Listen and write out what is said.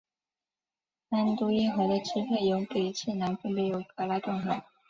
安都因河的支流由北至南分别有格拉顿河。